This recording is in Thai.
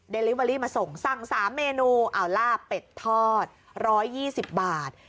ลิเวอรี่มาส่งสั่ง๓เมนูอัลล่าเป็ดทอด๑๒๐บาท